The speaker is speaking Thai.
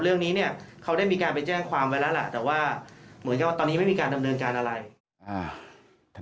เรื่องนี้เนี่ยเขาได้มีการไปแจ้งความไว้แล้วล่ะแต่ว่าเหมือนกับว่าตอนนี้ไม่มีการดำเนินการอะไรอ่า